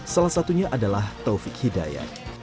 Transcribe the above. salah satunya adalah taufik hidayat